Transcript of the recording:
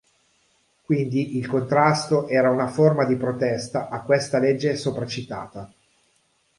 Quindi il contrasto era una forma di protesta a questa legge sopracitata.